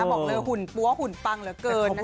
บอกเลยหุ่นปั้วหุ่นปังเหลือเกินนะคะ